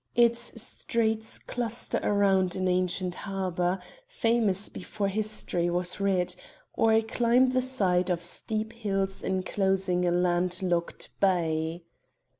Its streets cluster round an ancient harbour, famous before history was writ, or climb the sides of steep hills enclosing a land locked bay.